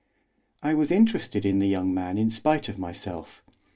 I was interested in the young man in spite of myself.